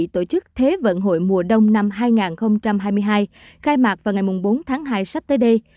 tổ chức thế vận hội mùa đông năm hai nghìn hai mươi hai khai mạc vào ngày bốn tháng hai sắp tới đây